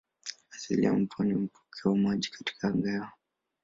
Asili ya mvua ni mvuke wa maji katika angahewa.